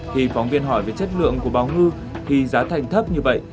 khi phóng viên hỏi về chất lượng của bảo ngư thì giá thành thấp như vậy